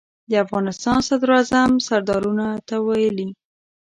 د افغانستان صدراعظم سردارانو ته ویلي.